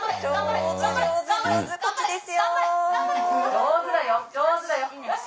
上手だよ上手だよよし！